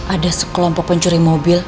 ada sekelompok pencuri mobil